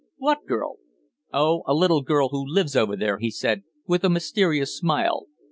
"What girl?" "Oh, a little girl who lives over there," he said, with a mysterious smile.